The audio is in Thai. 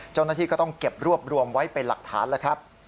เจ้าหน้าที่ก็ต้องเก็บรวบรวมไว้เป็นหลักฐานแล้วครับ